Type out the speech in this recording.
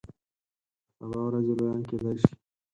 د سبا ورځې لویان کیدای شي.